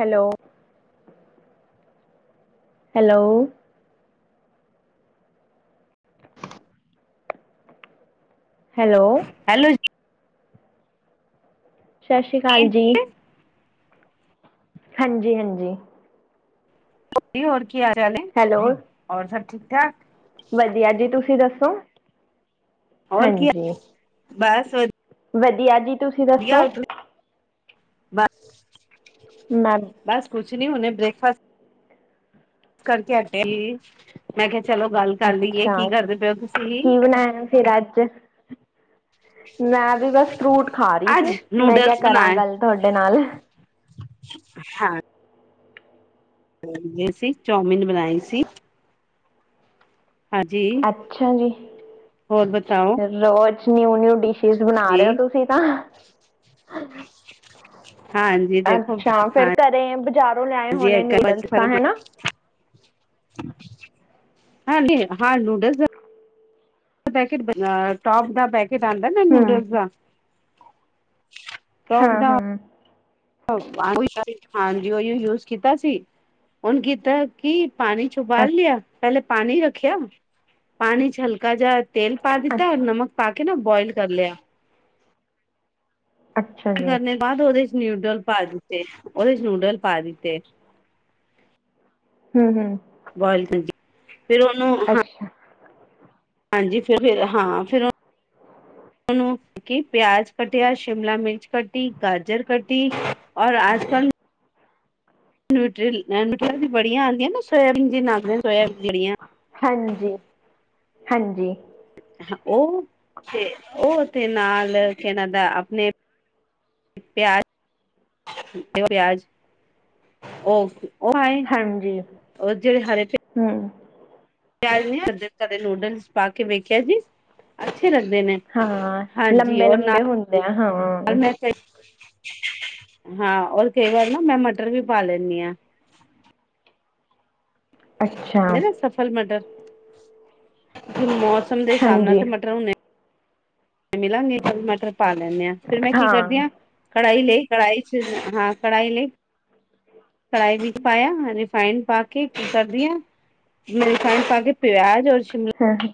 Hello, hello, hello, hello, ਜੀ। ਸਤਿ ਸ਼੍ਰੀ ਅਕਾਲ, ਜੀ। ਹਾਂਜੀ, ਹਾਂਜੀ। ਜੀ, ਹੋਰ ਕੀ ਹਾਲ ਚਾਲ ਹੈ, ਹੈਲੋ ਹੋਰ ਸਭ, ਠੀਕ ਠਾਕ? ਵਧੀਆ, ਜੀ, ਤੁਸੀਂ ਦੱਸੋ, ਹੋਰ ਕੀ ਹਾਂਜੀ। ਬਸ ਵਧੀਆ, ਜੀ। ਤੁਸੀਂ ਦੱਸੋ? ਵਧੀਆ ਤੁਸੀਂ ਬਸ। ਮੈਮ। ਬਸ, ਕੁਛ ਨੀ ਹੁਨੇ, ਬ੍ਰੇਕ ਫਾਸਟ। ਕਰਕੇ ਹਟੇ ਸੀ, ਮੈਂ ਕਿਹਾ ਚਲੋ ਗੱਲ ਕਰ ਲਈਏ, ਅੱਛਾ ਕੀ ਕਰਦੇ ਪਏ ਹੋ ਤੁਸੀਂ? ਕੀ ਬਣਾਇਆ ਫਿਰ, ਅੱਜ। ਮੈਂ ਵੀ ਬਸ, ਫਰੂਟ ਖਾ ਰਹੀ ਅੱਜ ਸੀ। ਮੈਂ ਕਿਆ, ਨੂਡਲਸ ਕਰਾਂ ਬਣਾਏ ਗੱਲ ਤੁਹਾਡੇ ਨਾਲ। ਹਾਂ, ਰਜੇ ਸੀ, ਚੌਮਿਨ ਬਣਾਈ ਸੀ। ਹਾਂਜੀ ਅੱਛਾ ਜੀ, ਹੋਰ ਬਤਾਓ ਰੋਜ਼ ਨਿਊ- ਨਿਊ ਡਿਸ਼ਿਸ ਬਣਾ ਜੀ ਰਹੇ ਹੋ, ਤੁਸੀਂ। ਤਾਂ, ਹਾਂਜੀ ਦੇਖੋ ਅੱਛਾ, ਫੇਰ ਹਾਂ ਘਰੇ ਬਜ਼ਾਰੋਂ ਲਿਆਏ ਜੀ ਹੋਣੇ, ਨੂਡਲਸ ਤਾਂ, ਹਨਾ। ਹਾਂ ਨੂੰ ਹਾਂ ਨੂਡਲਸ। ਟੋਪ ਦਾ ਪੈਕੇਟ, ਆਉਂਦਾ ਹੈ ਨਾ ਨੂਡਲ ਹੂੰ, ਦਾ। ਟੋਪ ਦਾ ਹਾਂ-ਹਾਂ। [unintelligible] ਹਾਂਜੀ, ਉਹੀ, ਯੂਜ ਕੀਤਾ ਸੀ। ਹੁਣ ਕੀਤਾ। ਕੀ, ਪਾਣੀ ਚ ਉਬਾਲ ਲਿਆ। ਪਹਿਲੇ ਪਾਣੀ ਰੱਖਿਆ। ਪਾਣੀ, ਵਿਚ ਹਲਕਾ ਜਿਹਾ ਤੇਲ ਪਾ ਅੱਛਾ ਦਿੱਤਾ, ਨਮਕ ਪਾ ਕੇ ਨਾ, ਬੋਇਲ ਕਰ ਲਿਆ। ਅੱਛਾ ਜੀ, ਕਰਨੇ ਬਾਅਦ, ਉਹਦੇ, ਵਿਚ ਨੋ ਨੂਟਲ ਪਾ ਦਿੱਤੇ, ਉਹਦੇ ਵਿੱਚ ਨਿਊਡਲ ਪਾ ਦਿੱਤੇ। ਹੂੰ- ਹੂੰ। ਉਹ ਬਾਲ ਤੇ ਜੀ, ਫੇਰ ਓਨੂੰ ਹਾਂ। ਅੱਛਾ ਹਾਂਜੀ ਫੇਰ- ਫੇਰ ਹਾਂ ਫੇਰ ਓ ਓਨੂੰ ਕੀ ਪਿਆਜ ਕੱਟਿਆ, ਸ਼ਿਮਲਾ ਮਿਰਚ ਕੱਟੀ, ਗਾਜਰ ਕੱਟੀ। ਤੀ ਔਰ ਆਜ ਕੱਲ ਨਿਊਟਰੀਅਲ [unintelligible] ਵੀ ਬੜੀਆਂ ਆਂਦੀਆਂ ਨਾ ਸੋਇਆ ਬੀਨ [unintelligible] ਸੋਇਆ ਜੇੜੀਆ ਹਾਂਜੀ, ਹਾਂਜੀ। ਹਾਂ ਓ, ਤੇ ਓ ਤੇ, ਨਾਲ ਕੇਨਾਂ ਦਾ ਆਪਣੇ। ਪਿਆਜ-ਪਿਆਜ ਓ ਓ ਐਈ ਨ ਹਾਂਜੀ ਓ ਜੇੜੇ ਖਰਚ। ਹੂੰ। ਪਿਆਜ ਭੁੰਨਿਆ, ਕਦੇ ਨੂਡਲਸ ਪਾ ਕੇ ਵੇਖਿਆ ਜੀ। ਅੱਛੇ ਲੱਗਦੇ ਨੇ, ਹਾਂ ਹਾਂਜੀ, ਲੰਬੇ ਔਰ ਨਾਲ, ਲੰਬੇ ਹੁੰਦੇ ਆ ਮੈਂ ਹਾਂ, ਮੈਂ ਕਈ ਵਾਰ ਨਾ, ਮੈਂ ਮਟਰ ਵੀ ਪਾ ਲੈਂਦੀ ਹਾਂ। ਅੱਛਾ ਉਨਦੇ, ਸਫਲ ਮਟਰ, ਮੌਸਮ ਦੇ ਹਿਸਾਬ ਨਾਲ ਹਾਂਜੀ ਤੇ, ਮਟਰ ਨੇ। ਮਿਲਾਂਗੇ ਮਾਟਰ ਪਾ ਲੈਂਦੇਆਾਂ। ਫੇਰ ਮੈਂ ਕੀ ਕਰਦੀ ਹਾਂ। ਕੜਾਈ ਲਈ, ਕੜਾਈ ਵਿਚ, ਹਾਂ ਕੜਾਈ ਲਈ। ਕੜਾਹੀ ਵਿੱਚ ਪਾਇਆ, ਰਿਫਾਈਡ ਪਾ ਕੇ ਕੀ ਕਰਦੀਆਂ। ਰਿਫਾਇੰਡ, ਪਾ ਕੇ ਪਿਆਜ, ਉਰ, ਸ਼ਿਮਲਾ ਹੋਰ ਕੀ।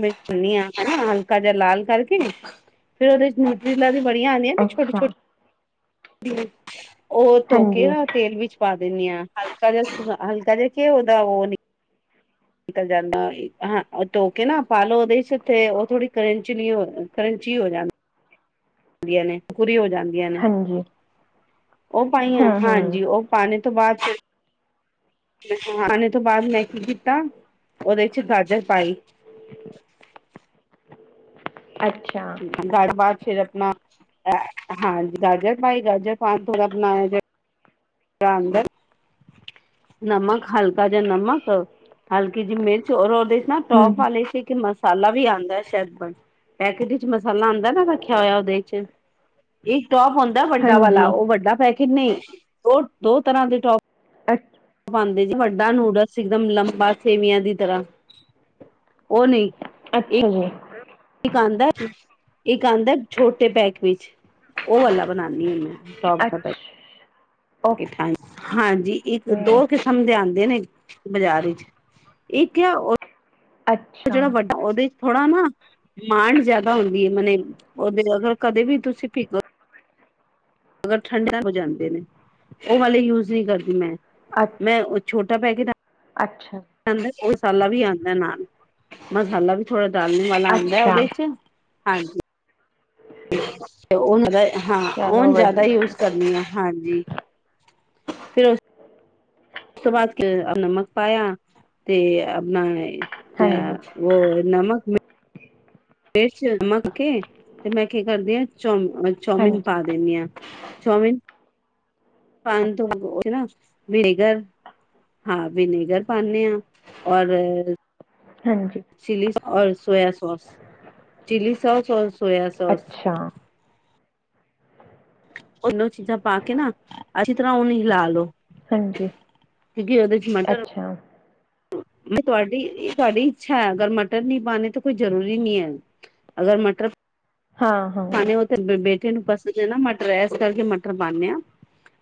ਮਿਚਨੀ ਹਨਾ, ਹਲਕਾ ਜਿਹਾ ਲਾਲ ਕਰਕੇ, ਫੇਰ ਉਹਦੇ, ਵਿੱਚ। ਰੀਲਾ ਵੀ ਬੜੀਆਂ ਆਂਦੀਆਂ ਮੈ ਅੱਛਾ ਛੋਟੀ-ਛੋਟੀ। ਉਹ ਧੋ ਕੇ ਹਾਂਜੀ ਰਾ ਤੇਲ ਵਿੱਚ ਪਾ ਦਿੰਨੀ ਆ ਹਲਕਾ ਜਾ, ਹਲਕਾ ਜਾ ਕੇਓ ਦਾ ਓ ਨੀ ਨਿਕਲ ਜਾਂਦਾ ਹਾਂ, ਤੋਕੇ ਨਾ ਪਾਲੋ ਓਦੇ ਚ ਤੇ ਓ ਥੋੜੀ ਕਰੰਚਲੀ ਹੋ, ਕਰੰਚੀ ਹੋ ਜਾਂ ਵੀਆਂ ਨੇ ਪੂਰੀ ਹੋ ਜਾਂਦੀਆਂ ਨੇ। ਹਾਂਜੀ ਓ ਪਾਈਆਂ ਹੂੰ ਹੂੰ ਹਾਂਜੀ ਓ ਪਾਨੇ ਤੋਂ ਬਾਦ ਫੇਰ ਖਾਣੇ ਤੋਂ ਬਾਦ ਮੈਂ ਕੀ ਕੀਤਾ, ਓਦੇ ਚ ਗਾਜਰ ਪਾਈ। ਅੱਛਾ। [unintelligible] ਫੇਰ ਆਪਣਾ ਹਾਂਜੀ ਗਾਜਰ ਪਾਈ ਗਾਜਰ ਪਾਨ ਥੋੜਾ ਬਣਾਇਆ ਜ [unintelligible] ਨਮਕ ਹਲਕਾ ਜਾ ਨਮਕ, ਹਲਕੀ ਜੀ ਮਿਰਚ ਔਰ ਓਦੇ ਇਕ ਨਾ ਟੋਪ ਹੂੰ ਵਾਲੇ ਸੀ ਕਿ ਮਸਾਲਾ ਵੀ ਆਂਦੈ ਸ਼ੈਦ ਬਣ ਪੈਕੇਟ ਚ। ਵਿਚ ਮਸਾਲਾ ਆਂਦਾ ਐ ਨਾ ਰੱਖਿਆ ਹੋਇਆ ਓਦੇ ਚ, ਇੱਕ ਟੋਪ ਹੁੰਦਾ ਵੱਡਾ ਵਾਲਾ ਹਾਂਜੀ ਓ ਵੱਡਾ ਪੈ ਕਿੰਨੇ ਓ ਦੋ ਤਰਾਂ ਦੇ ਟੋਪ ਅੱਛ ਪਾਂਦੇ ਜੀ ਵੱਡਾ ਨੂਡਲਸ ਇਕਦਮ ਲੰਬਾ ਸੇਵੀਆਂ ਦੀ ਤਰਾਂ ਓ ਨੀ। ਅੱਛਾ ਜੀ। ਇੱਕ ਆਂਦਾ, ਇੱਕ ਆਂਦਾ ਛੋਟੇ ਪੈਕ ਵਿੱਚ ਓ ਵਾਲਾ ਬਣਾਨੀ ਆ ਮੈਂ। [unintelligible] ਅੱਛਾ ਹਾਂਜੀ ਇੱਕ ਓਕੇ ਦੋ ਕਿਸ [unintelligible] ਆਂਦੇ ਨੇ ਬਾਜ਼ਾਰ ਵਿਚ ਇੱਕ ਆ ਅੱਛਾ ਜੇੜਾ ਵੱਡਾ ਓਦੇ ਥੋੜਾ ਨਾ ਮਾਣ ਜਾਦਾ ਹੁੰਦੀ ਐ ਮਨ ਓਦੇ ਕਦੇ ਵੀ ਤੁਸੀਂ ਪਿਗੋ। ਅਗਰ ਠੰਡਾ ਹੋ ਜਾਂਦੇ ਨੇ ਓ ਵਾਲੇ ਯੂਜ ਨੀ ਕਰਦੀ ਮੈਂ। ਅੱਛ ਮੈਂ ਓ ਛੋਟਾ ਪੈਕੇਟ ਆ ਅੱਛਾ ਦਾ ਮਸਾਲਾ ਵੀ ਆਂਦੈ ਨਾਲ ਮਸਾਲਾ ਵੀ ਥੋੜਾ ਡਾਲਣੇ ਵਾਲਾ ਆਂਦੈ ਅੱਛਾ ਓਦੇ ਚ ਹਾਂਜੀ। ਤੇ ਓਨਾਂ ਦਾ ਹਾਂ ਚਲੋ ਓਨ ਜਾਦਾ ਵਧੀਆ ਯੂਜ ਕਰਨੀ ਆ ਹਾਂਜੀ। ਫਿਰ ਉਸ ਤੋਂ ਬਾਦ ਨਮਕ ਪਾਇਆ ਤੇ ਆਪਣਾ ਹਾਂਜੀ ਅ ਨਮਕ ਮਿਰਚ ਨਮਕ ਕੇ ਤੇ ਮੈਂ ਕੀ ਕਰਦੀ ਹਾਂ ਚੌ ਚੌਮਿਨ ਹਾਂਜੀ ਪਾ ਦਿੰਦੀ ਹਾਂ। ਚੌਮਿਨ ਪਾ ਤੋਂ ਨਾ ਵਿਨੇਗਰ ਹਾਂ ਵਿਨੇਗਰ ਪਾਉਦੇ ਹਾਂ ਔਰ ਹਾਂਜੀ ਚੀਲੀ ਔਰ ਸੋਇਆ ਸੌਸ ਚੀਲੀ ਸੌਸ ਔਰ ਸੋਇਆ ਸੌਸ। ਅੱਛਾ ਦੋਨੋ ਚੀਜ਼ਾਂ ਪਾ ਕੇ ਨਾ ਅੱਛੀ ਤਰ੍ਹਾਂ ਉਹਨੂੰ ਹਿਲਾ ਲੋੋ। ਹਾਂਜੀ ਮਟਰ ਅੱਛਾ। ਤੁਹਾਡੀ ਤੁਹਾਡੀ ਇੱਛਾ ਹੈ ਅਗਰ ਮਟਰ ਨੀ ਪਾਣੇ ਤਾਂ ਕੋਈ ਜ਼ਰੂਰੀ ਨਹੀਂ ਹੈ। ਅਗਰ ਮਟਰ ਹਾਂ-ਹਾਂ ਤੇ ਬੇਟੇ ਨੂੰ ਪਸੰਦ ਐ ਨਾ ਮਟਰ ਇਸ ਕਰਕੇ ਮਟਰ ਪਾਨੇ ਆ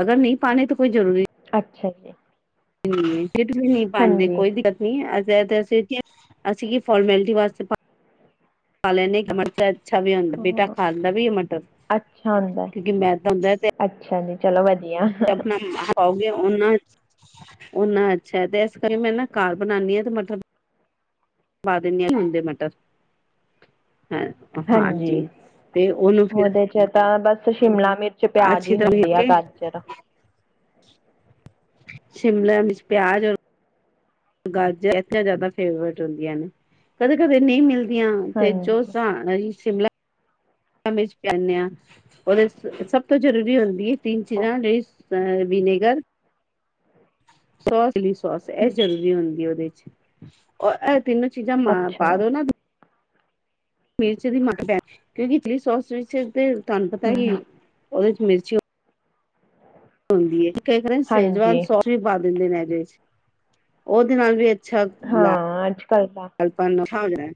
ਅਗਰ ਨਈ ਪਾਣੇ ਤਾਂ ਕੋਈ ਜ਼ਰੂਰੀ ਅੱਛਾ ਜੀ। ਹਿੱਟ ਵੀ ਨੀ ਪਾਂਦੇ ਹਾਂਜੀ ਕੋਈ ਦਿੱਕਤ [unintelligible] ਅਸੀਂ ਕੀ ਫੋਰਮੈਲਿਟੀ ਵਾਸਤੇ ਪ ਪਾਂ ਲੈਨੇ ਖਾ ਲੈਂਦੇ ਮਟਰ ਤਾਂ ਅੱਛਾ ਵੀ ਹੁੰਦਾ ਬੇਟਾ ਹਾਂ ਖਾਂਦਾ ਵੀ ਐ ਮਟਰ ਅੱਛਾ ਹੁੰਦਾ ਕਿਉਂਕਿ ਮੈਂ ਤਾਂ [unintelligible] ਅੱਛਾ ਜੀ ਚਲੋ ਵਧੀਆ। ਆਪਣਾ ਪਾਓਗੇ ਓਨਾਂ ਓ ਨੈ ਅੱਛਾ ਤੇ ਐਸ ਕਰ ਮੈਂ ਨਾ ਕਾਰ ਬਣਾਨੀ ਆ ਤੇ ਮਟਰ ਪਾ ਦਿੰਨੇ ਆ ਮੁੱਲ ਦੇ ਮਟਰ ਹੈ। ਹਾਂਜੀ ਤੇ ਓਨੂੰ ਫਿਰ ਉਹਦੇ ਚ ਤਾਂ ਬਸ ਸ਼ਿਮਲਾ ਮਿਰਚ ਪਿਆਜ ਅੱਛੀ ਹੀ ਤਰ੍ਹਾਂ ਹੁੰਦੀ ਆ ਕੇ ਘਰ ਚ ਜਰਾ ਸ਼ਿਮਲ ਵਿੱਚ ਪਿਆਜ ਔਰ ਗਾਜਰ ਇੱਥੇ ਜ਼ਿਆਦਾ ਫੇਵਰੇਟ ਹੁੰਦੀਆਂ ਨੇ ਕਦੇ ਕਦੇ ਨਹੀਂ ਮਿਲਦੀਆਂ ਤੇ ਜੋ ਹਾਂਜੀ ਜ ਸ਼ਿਮਲਾ ਪੈਂਦੇ ਹਾਂ ਉਹਦੇ ਸਭ ਤੋਂ ਜਰੂਰੀ ਹੁੰਦੀ ਹੈ। ਤਿੰਨ ਚੀਜ਼ਾ ਵੀ ਵਿਨੇਗਰ ਸੋਸ ਚਲੀ ਸੋਸ ਇਹ ਜ਼ਰੂਰੀ ਹੁੰਦੀ ਉਹਦੇ ਚ। ਤਿੰਨੋ ਚੀਜ਼ਾਂ ਮ ਅੱਛਾ ਪਾ ਦੋ ਨਾ ਮਿਰਚ ਦੀ ਮਟ ਪੈ ਕਿਉਂਕਿ ਇਚਲੀ ਸੋਸ ਵਿੱਚ ਤੇ ਤੁਹਾਨੂੰ ਪਤਾ ਹਮ ਹੀ ਹਮ ਉਹਦੇ ਚ ਮਿਰਚ ਹੁੰਦੀ ਹੈ ਕ ਕਦੇ ਸੇਜਵਾਨ ਹਾਂਜੀ ਸੋ ਵੀ ਪਾ ਦਿੰਦੇ ਨੇਜ ਉਹਦੇ ਨਾਲ ਵੀ ਅੱਛਾ ਲ ਹਾਂ ਅੱਜ ਕੱਲ ਤਾਂ ਲਾਲਪਾਨ ਨਾ ਹੋ ਜਾਏ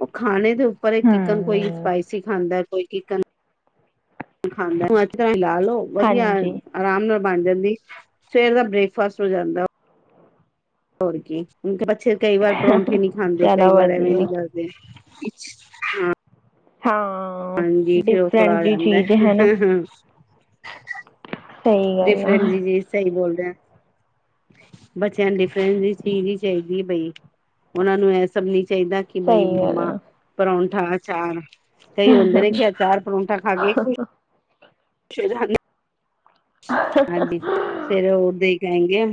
ਉਹ ਖਾਣੇ ਦਿ ਪਰ ਇਹ ਚਿਕਨ ਕੋਈ ਹਮ ਸਪਾਈਸੀ ਖਾਂਦਾ ਕੋਈ ਚਿਕਨ ਖਾਂਦਾ ਮਿਲਾ ਲੋੋ ਵਧੀਆ ਹਾਂਜੀ ਆਰਾਮ ਨਾਲ ਬਣ ਜਾਂਦੀ ਸਵੇਰ ਦਾ ਬ੍ਰੇਕਫਾਸਟ ਹੋ ਜਾਂਦਾ। ਹੋਰ ਕੀ ਬੱਚੇ ਕਈ ਵਾਰ ਪਰੌਂਠੇ ਨੀ ਖਾਂਦੇ ਚਲੋ ਕਈ ਵਾਰ ਐਵੇਂ ਨੀ ਵਧੀਆ ਕਰਦੇ। ਹਾਂ। ਹਾਂਜੀ ਫਿਰ ਉਹ ਥੋੜ੍ਹਾ ਡਿਫਰੈਂਟ ਆ ਜਿਹੀ ਜਾਂਦਾ। ਚੀਜ਼ ਹੈ ਨਾ ਸਹੀ ਗੱਲ ਡਿਫਰੈਂਟ ਆ ਜੀ ਜੀ ਸਹੀ ਬੋਲਦੇ ਐ। ਬੱਚਿਆਂ ਨੂੰ ਡਿਫਰੈਂਸ ਨਹੀਂ ਚਾਹੀਦੀ ਬਈ ਉਹਨਾ ਨੂੰ ਇਹ ਸਭ ਨੀ ਚਾਹੀਦਾ। ਕਿ ਬਈ ਸਹੀ ਮੰਮਾ ਪਰੌਂਠਾ ਅਚਾਰ ਕਈ ਹੁੰਦੇ ਨੇ ਕਿ ਗੱਲ ਅਚਾਰ ਪਰੌਂਠਾ ਖਾ ਕੇ ਆ ਖੁਸ਼ ਹੋ ਜਾਂਦੇ ਨੇ ਹਾਂਜੀ ਸਵੇਰੇ ਉਦੇ ਹੀ ਕਹੇਗੇ,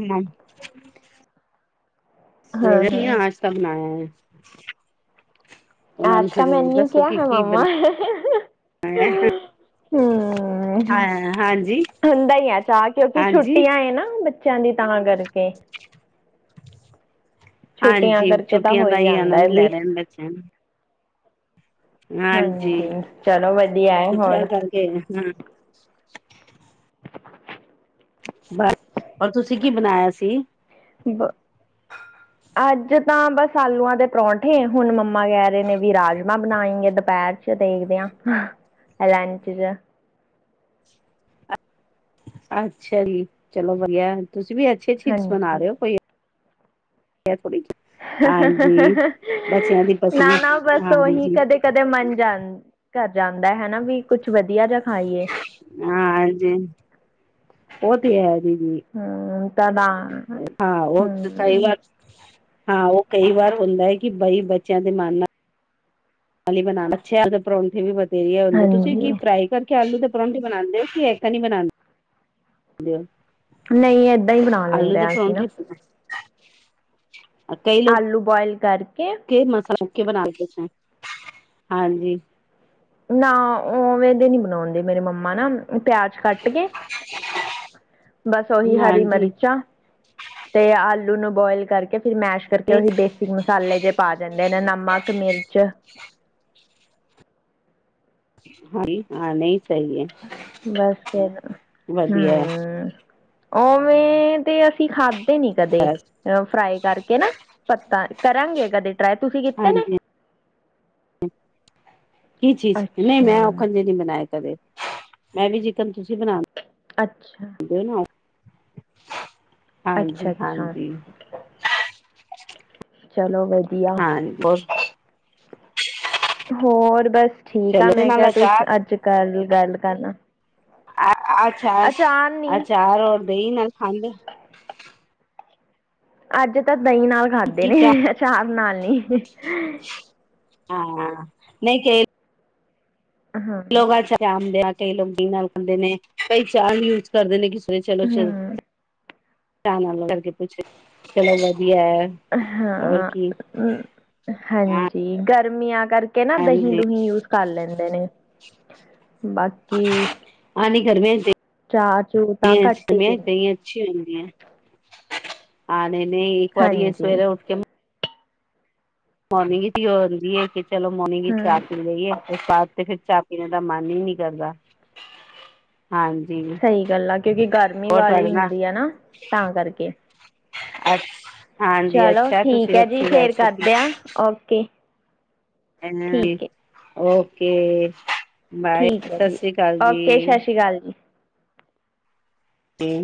ਸਵੇਰੇ ਨਾਸਤਾ ਬਣਾਵਾਂਗੇ। ਆਜ ਕਾ ਮੈਨਿਊ ਕਿਆ ਕਿ ਹੈ ਕੀ ਮੰਮਾ? ਬਣਾ [inaudible] ਹੂੰ, ਹਾਂ ਹਾਂਜੀ ਹੁੰਦਾ ਹੀ ਆ ਚਾਅ ਕਿਉਂਕਿ ਹਾਂਜੀ ਛੁੱਟੀਆਂ ਨਾ ਚਿਆਂ ਦੀ ਤਾਂ ਕਰਕੇ। ਛੁੱਟੀਆਂ ਹਾਂਜੀ, ਕਰਕੇ ਤਾਂ ਛੁੱਟੀਆਂ ਹੋ ਦਾ ਹੀ ਜਾਂਦਾ ਹੈ ਆਨੰਦ ਵੀ ਲੈ ਰਹੇ ਨੇ ਬੱਚੇ। ਹਾਂਜੀ ਚਲੋ ਵਧੀਆ ਹੈ ਛੁੱਟੀਆਂ ਹੋਰ ਕਰਕੇ ਹਾਂ। ਬਸ ਔਰ ਤੁਸੀਂ ਕੀ ਬਣਾਇਆ ਸੀ। [inaudible] ਅੱਜ ਤਾਂ ਬਸ ਆਲੂਆਂ ਦੇ ਪਰੌਂਠੇ ਹੁਣ ਮੰਮਾ ਕਹਿ ਰਹੇ ਨੇ ਵੀ ਰਾਜਮਾਂ ਬਣਾਏ ਗੇ ਦੁਪਹਿਰ ਚ। ਚ ਦੇਖਦੇ ਆ ਲੰਚ ਚ ਅੱਛਾ ਜੀ ਚਲੋ ਵਧੀਆ ਤੁਸੀਂ ਵੀ ਅੱਛੇ ਚੀਜ਼ ਬਣਾ ਹਾਂਜੀ ਰਹੇ ਹੋ ਕੋਈ। [unintelligible] ਹਾਂਜੀ ਬੱਚਿਆਂ ਦੀ ਪਸੰਦ ਨਾ ਨਾ ਬਸ ਉਹੀ ਹਾਂਜੀ ਕਦੇ ਕਦੇ ਮੰਨ ਜਾ ਕਰ ਜਾਂਦਾ ਹਨਾ ਵੀ ਕੁਛ ਵਧੀਆ ਜਾ ਖਾਈਏ। ਹਾਂ ਹਾਜੀ ਉਹ ਤੇ ਹੈ ਜੀ ਹੂੰ ਤਾਂ, ਹਾਂ ਓ ਸਹੀ ਹਮ ਵੱਲ ਹਾਂ ਉਹ ਕਈ ਵਾਰ ਹੁੰਦਾ ਕਿ ਬਈ ਬੱਚਿਆਂ ਦੇ ਮਨ ਨਾਲ ਨਾਲ ਬਣਾਣਾ ਅੱਛ ਪਰੌਂਠੇ ਵੀ ਵਥੇਰੀ ਹੁੰਦੇ ਤੁਸੀਂ ਕੀ ਹਾਂਜੀ ਫਰਾਈ ਕਰ ਕਿ ਆਲੂ ਦੇ ਪਰੌਂਠੀ ਬਣਾਦੇ ਓ ਕਿ [unintelligible] ਨਹੀਂ ਏਦਾਂ ਹੀ ਬਣਾ ਆਲੂ ਲੈਂਦੇ ਦੇ ਆ ਅਸੀਂ ਨਾ। ਪਰੌਂਠੇ ਕਈ ਲੋਕ ਆਲੂ ਬੁਆਇਲ ਕਰਕੇ। [unintelligible] ਹਾਂਜੀ। ਨਾ ਉਵੇਂ ਦੇ ਨੀ ਬਣਾਉਂਦੇ ਮੇਰੀ ਮੰਮਾ ਨਾ। ਪਿਆਜ ਕੱਟ ਕੇ ਬਸ ਓਹੀ ਹਰੀ ਹਾਂਜੀ ਮਿਰਚਾਂ। ਤੇ ਆਲੂ ਨੂੰ ਬੋਇਲ ਕਰਕੇ ਫਿਰ ਮੈਸ਼ ਕਰਕੇ ਉਹੀ ਬੇਸ ਮਸਾਲੇ ਜਿਹੇ ਪਾ ਜਾਂਦੇ ਨੇ ਨਮਕ ਮਿਰਚ ਹਾਂਜੀ ਹਾਂ ਨਹੀਂ। ਸਹੀ ਐ। ਬਸ ਫਿਰ ਹੂੰ ਉਵੇਂ ਤੇ ਅਸੀਂ ਖਾਧੇ ਨੀ ਕਦੇ। ਫਰਾਈ ਕਰਕੇ ਨਾ ਪੱਤਾ ਕਰਾਂਗੇ ਕਦੇ ਟਰਾਈ ਤੁਸੀਂ ਕੀਤੇ ਨੇ ਹਾਂਜੀ ਕੀ ਚੀਜ਼ ਨਹੀਂ ਅੱਛਾ ਮੈਂ [unintelligible] ਨੀ ਬਣਾਏ ਕਦੇ ਮੈਂ ਵੀ ਜਿਕਨ ਤੁਸੀਂ ਬਣਾਣਾ ਅੱਛਾ। [unintelligible] ਅੱਛਾ ਹਾਂਜੀ, ਅੱਛਾ ਹਾਂਜੀ। ਚਲੋ ਵਧੀਆ। ਹਾਂਜੀ ਬਹੁਤ ਹੋਰ ਬਸ ਠੀਕ ਆ ਚਲੋ ਉਹਦੇ ਮੈਂ ਕਿਹਾ ਨਾਲ ਤੂੰ ਅਚਾਰ ਅੱਜ ਕਰਲੀ ਗੱਲ ਕਰਨਾ। ਆ ਅੱਛਾ ਅੱਛਾ ਅਚਾਰ ਨੀ ਅਚਾਰ ਹੋਰ ਦਹੀਂ ਨਾਲ ਖਾਂਦੇ। ਅੱਜ ਤਾਂ ਦਹੀਂ ਨਾਲ ਖਾਧਦੇ ਕਿ ਨੇ ਚਾਹ ਆਚਾਰ ਨਾਲ ਨੀ। ਹਾਂ ਨਹੀਂ ਏ ਹਾਂ ਲੋਕ [unintelligible] ਕਈ ਲੋਕ ਨਾਲ ਖਾਦੇ ਨੇ ਕਈ ਚਾਰ ਕਰਦੇ ਨੇ ਕਿਸੇ ਚਲੋ ਚੱਲ ਹਮ [unintelligible] ਨਾਲ ਕਰਕੇ ਪੁੱਛ ਚਲੋ ਵਧੀਆ। ਹੋਰ ਹਾਂ ਕੀ ਹਾਂ ਹਾਂਜੀ ਗਰਮੀਆਂ ਕਰਕੇ ਇਹ ਨਾ ਹਾਂਜੀ ਦਹੀਂ-ਦੁਹੀਂ ਯੂਜ ਕਰ ਲੈਂਦੇ ਨੇ ਬਾਕੀ ਹਾਂ ਨਹੀਂ ਐ ਗਰਮੀਆ ਚ ਚਾਹ ਚੂ ਤਾਂ ਸਹੀ ਐ ਘੱਟ ਹੀ ਗਰਮੀਆ ਚ ਪੀਂਦੇ ਸਹੀ ਐ ਅੱਛੀ ਹੁੰਦੀ ਹੈ ਹਾਂ ਨਹੀਂ-ਨਹੀਂ ਇੱਕ ਵਾਰੀ ਇਹ ਹਾਂਜੀ ਸਵੇਰੇ ਉੱਠ ਕੇ ਮੋਰਨਿੰਗ ਦੀ ਉਹ ਹੁੰਦੀ ਏ। ਕਿ ਚਲੋ ਮੋਰਨਿੰਗ ਚ ਹਾਂ ਚਾਹ ਪੀ ਲਇਏ। ਇਸ ਬਾਅਦ ਤੇ ਫਿਰ ਚਾਹ ਪੀਣੇ ਦਾ ਮਨ ਹੀ ਨੀ ਕਰਦਾ। ਹਾਂਜੀ। ਸਹੀ ਗੱਲ ਆ। ਕਿਉਂਕਿ ਗਰਮੀ ਹੋਰ ਵਾਲੀ ਤੁਹਾਡੇ ਨਾਲ ਹੁੰਦੀ ਆ ਨਾ ਤਾਂ ਕਰਕੇ ਹਾਂਜੀ ਚਲੋ ਅੱਛਾ ਠੀਕ ਤੁਸੀਂ ਹੈ ਜੀ ਇੱਥੇ ਰਹਿ ਫੇਰ ਸਕੇ ਕਰਦੇ ਓਕੇ। ਠੀਕ ਹੈ ਓਕੇ ਬਾਏ ਠੀਕ ਹੈ ਸਤਿ ਜੀ ਸ੍ਰੀ ਅਕਾਲ ਜੀ। ਓਕੇ ਸਤਿ ਸ੍ਰੀ ਕਾਲ ਜੀ। ਤੇ